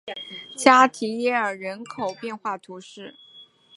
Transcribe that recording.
加提耶尔人口变化图示